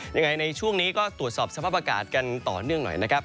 ในช่วงนี้ก็ตรวจสอบสภาพอากาศกันต่อเนื่องหน่อยนะครับ